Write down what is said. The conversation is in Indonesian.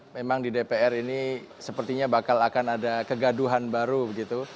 memang di dpr ini sepertinya bakal akan ada kegaduhan baru begitu